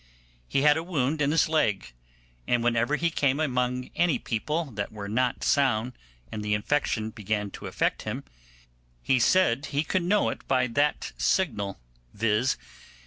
He had a wound in his leg, and whenever he came among any people that were not sound, and the infection began to affect him, he said he could know it by that signal, viz.